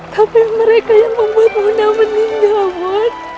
tapi mereka yang membuat bu meninggal bu